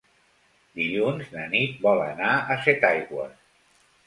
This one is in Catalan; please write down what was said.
Dilluns na Nit vol anar a Setaigües.